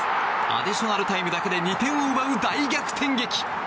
アディショナルタイムだけで２点を奪う大逆転劇。